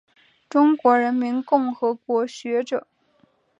中华人民共和国学者。